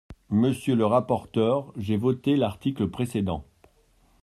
Monsieur le rapporteur, j’ai voté l’article précédent.